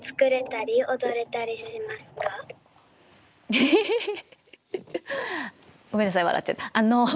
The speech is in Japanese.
エヘヘヘごめんなさい笑っちゃった。